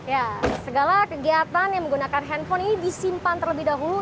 ya segala kegiatan yang menggunakan handphone ini disimpan terlebih dahulu